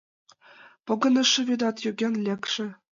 Погынышо вӱдат йоген лекше.